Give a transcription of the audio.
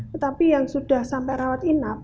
tetapi yang sudah sampai dirawat inap